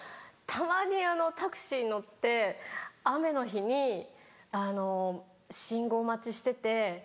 たまにタクシーに乗って雨の日に信号待ちしてて。